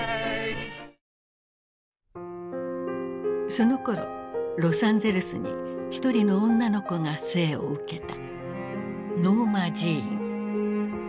そのころロサンゼルスに一人の女の子が生を受けた。